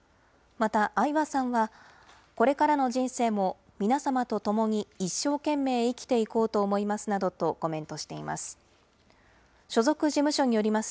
また、相葉さんは、これからの人生も、皆様と共に一生懸命生きていこうと思いますなどとコメントしています。